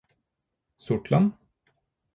Sortland